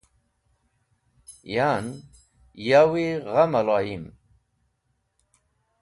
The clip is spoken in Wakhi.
Yan, yawi gha mẽloyim.